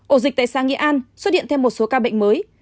ổ dịch tại xã nghĩa an xuất hiện thêm một số ca bệnh mới